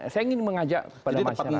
saya ingin mengajak pada masyarakat